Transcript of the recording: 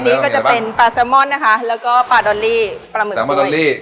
อันนี้ก็จะเป็นปลาแซลมอนนะคะแล้วก็ปลาดอลลี่ปลาหมึกปลาดอลลี่